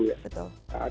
tidak boleh ada peniksaan